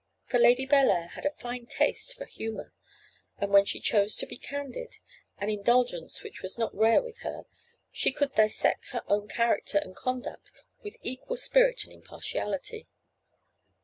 For Lady Bellair had a fine taste for humour, and when she chose to be candid, an indulgence which was not rare with her, she could dissect her own character and conduct with equal spirit and impartiality.